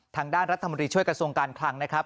ทางด้านรัฐมนตรีช่วยกระทรวงการคลังนะครับ